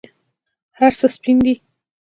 هرڅه سپین دي